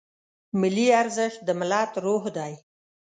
ملي ارزښت د ملت روح دی.